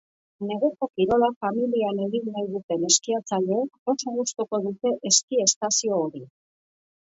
Neguko kirola familian egin nahi duten eskiatzaileek oso gustuko dute eski estazio hori.